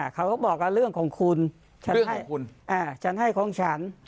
เขาก็บอกเรื่องของคุณเรื่องของคุณอ่าฉันให้ของฉัน